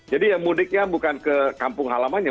jadi ya mudiknya bukan ke kampung halamannya